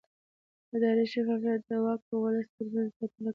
اداري شفافیت د واک او ولس ترمنځ واټن راکموي